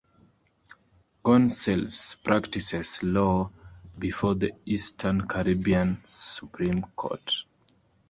Gonsalves practices law before the Eastern Caribbean Supreme Court.